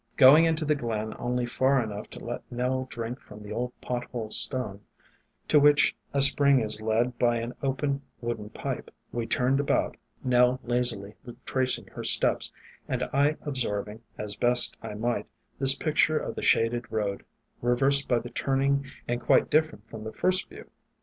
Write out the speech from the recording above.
Going into the Glen only far enough to let Nell drink from the old pot hole stone, to which a spring is led by an open wooden pipe, we turned about, Nell lazily retracing her steps, and I absorb ing, as best I might, this picture of the shaded road, reversed by the turning and quite different from the first view.